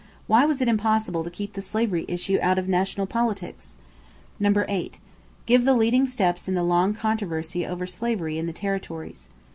Why was it impossible to keep the slavery issue out of national politics? 8. Give the leading steps in the long controversy over slavery in the territories.